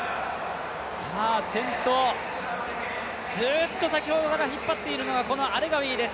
先頭、ずっと先ほどから引っ張っているのがアレガウィです。